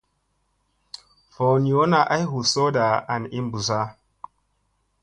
Voon yoona ay hu sooɗa an i bussa.